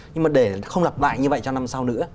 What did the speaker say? nhưng mà để không lặp lại như vậy cho năm sau nữa